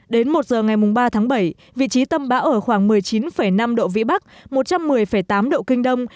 đến một giờ ngày ba tháng bảy vị trí tâm bão ở khoảng một mươi chín năm độ vĩ bắc một trăm một mươi tám độ kinh đông